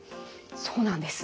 そうなんです。